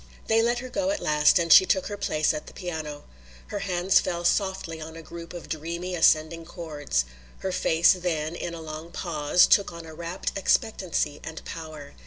They let her go at last and she took her place at the piano. Her hands fell softly on a group of dreamy ascending chords. Her face, then, in a long pause, took on a rapt expectancy and power.